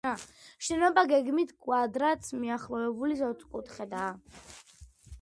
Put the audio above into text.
შენობა გეგმით კვადრატს მიახლოებული სწორკუთხედია.